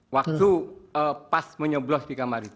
waktu pas menyeblos di kamar itu